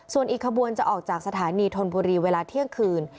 ส่วนอีกขบวนจะออกจากสถานีธนบุรีเวลาเที่ยงคืน